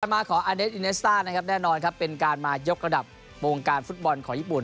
ต่อมาขออเด็กอิเน็สตาลเป็นการมายกกระดับโบงการฟุตบอลของญี่ปุ่น